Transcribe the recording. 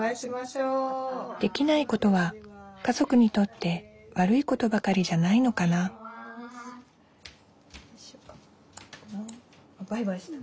できないことは家族にとって悪いことばかりじゃないのかなバイバイした。